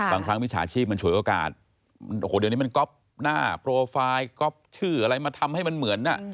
บางครั้งมิจฉาชีพมันฉวยโอกาสโอ้โหเดี๋ยวนี้มันก๊อปหน้าโปรไฟล์ก๊อปชื่ออะไรมาทำให้มันเหมือน